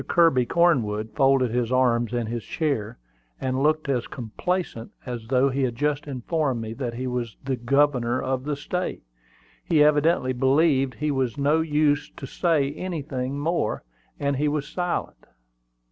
Kirby Cornwood folded his arms in his chair, and looked as complacent as though he had just informed me that he was the governor of the State. He evidently believed it was no use to say anything more, and he was silent.